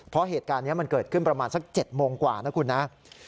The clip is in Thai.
เพราะเหตุการณ์นี้เกิดขึ้นประมาณ๗โมงกว่านะครับ